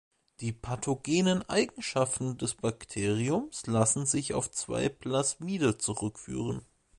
Die pathogenen Eigenschaften des Bakteriums lassen sich auf zwei Plasmide zurückführen.